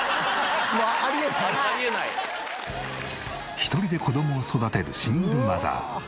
１人で子供を育てるシングルマザー。